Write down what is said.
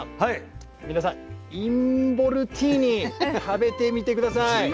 皆さんインボルティーニ食べてみて下さい。